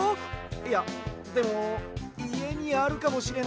いやでもいえにあるかもしれないし。